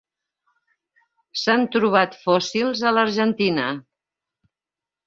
S'han trobat fòssils a l'Argentina.